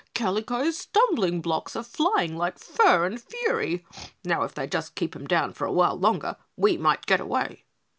"Kalico's stumbling blocks are flying like fur and fury. Now if they just keep 'em down for a while longer, we might get away."